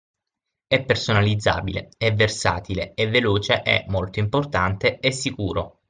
È personalizzabile, è versatile, è veloce e, molto importante, è sicuro.